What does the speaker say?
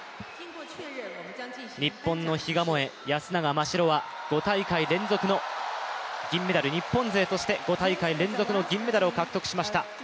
日本の比嘉もえ・安永真白は５大会連続の銀メダル、日本勢として５大会連続の銀メダルを獲得しました。